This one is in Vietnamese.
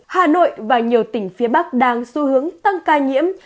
hà nội và nhiều tỉnh phía bắc đang xu hướng tăng ca nhiễm